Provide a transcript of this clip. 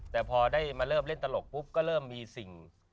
แต่พอได้มาเริ่มเล่นตลกปุ๊บก็เริ่มมีสิ่ง